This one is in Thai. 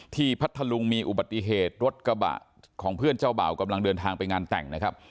พัทธลุงมีอุบัติเหตุรถกระบะของเพื่อนเจ้าบ่าวกำลังเดินทางไปงานแต่งนะครับ